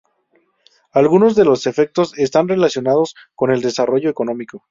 Algunos de los efectos están relacionados con el desarrollo económico.